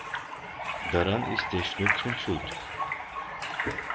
Daran ist der Schnupfen schuld.